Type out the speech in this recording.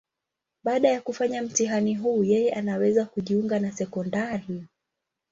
Baada ya kufanya mtihani huu, yeye anaweza kujiunga na sekondari.